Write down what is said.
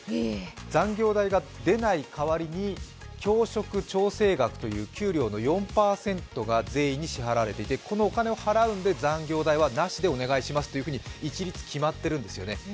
残業代が出ないかわりに教職調整額という給料の４％が税に支払われていてこのお金を払うので残業代はなしでお願いしますというふうに一律決まっているんですよね。